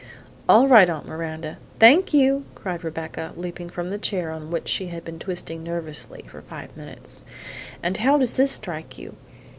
"All right, Aunt Miranda; thank you!" cried Rebecca, leaping from the chair on which she had been twisting nervously for five minutes. "And how does this strike you?